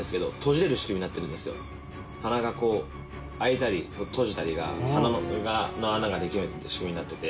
鼻がこう開いたり閉じたりが鼻の穴ができるっていう仕組みになってて。